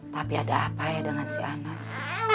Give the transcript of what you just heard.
tapi ada apa ya dengan si anak